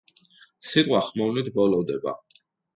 სიტყვა ხმოვნით ბოლოვდება.